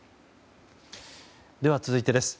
では続いてです。